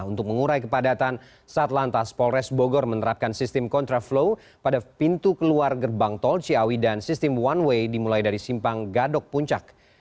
untuk mengurai kepadatan satlantas polres bogor menerapkan sistem kontraflow pada pintu keluar gerbang tol ciawi dan sistem one way dimulai dari simpang gadok puncak